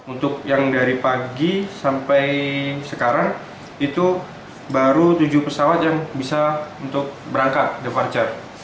untuk yang dari pagi sampai sekarang itu baru tujuh pesawat yang bisa untuk berangkat the farture